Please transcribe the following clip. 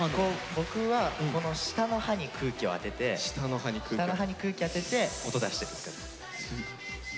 僕はこの下の歯に空気を当てて下の歯に空気当てて音出してるって感じです。